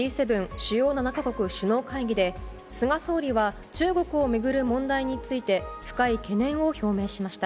主要７か国首脳会議で菅総理大臣は中国を巡る問題について深い懸念を表明しました。